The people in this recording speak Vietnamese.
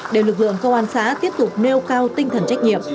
để lực lượng công an xã tiếp tục nêu cao tinh thần trách nhiệm